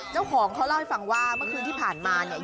เจ้าของเขาเล่าให้ฟังว่าเมื่อคืนที่ผ่านมาเนี่ย